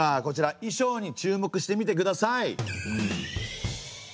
こちら衣装に注目してみてください。